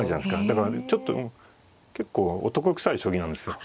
だからちょっと結構男くさい将棋なんですよ。